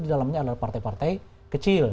di dalamnya adalah partai partai kecil